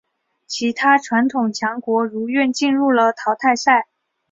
其他传统强国如愿进入了淘汰赛。